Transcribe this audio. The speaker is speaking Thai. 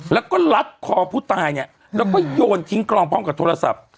แล้วก็ลัดคอผู้ตายเนี่ยแล้วก็โยนทิ้งกรองพร้อมกับโทรศัพท์